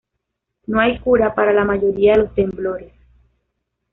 No hay cura para la mayoría de los temblores.